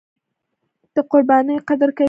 د قربانیو قدر کوي.